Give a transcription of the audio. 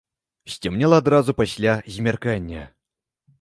Сцямнела адразу пасля змяркання.